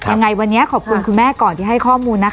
ยังไงวันนี้ขอบคุณคุณแม่ก่อนที่ให้ข้อมูลนะคะ